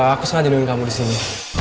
aku sengaja nungguin kamu disini